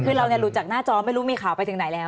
คือเราหลุดจากหน้าจอไม่รู้มีข่าวไปถึงไหนแล้ว